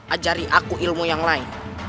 ajari aku ilmu yang lain